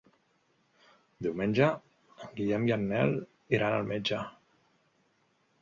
Diumenge en Guillem i en Nel iran al metge.